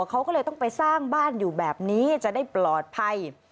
เขาก็เลยต้องไปสร้างบ้านอยู่แบบนี้จะได้ปลอดภัย